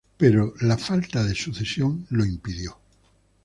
Pero la falta de sucesión lo impidió.